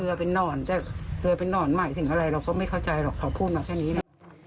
เป็นนอนแต่เกลือเป็นนอนหมายถึงอะไรเราก็ไม่เข้าใจหรอกเขาพูดมาแค่นี้นะ